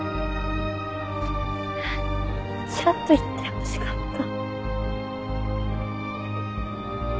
ちゃんと言ってほしかった。